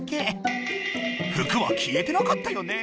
服は消えてなかったよね？